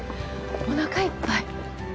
おなかいっぱい。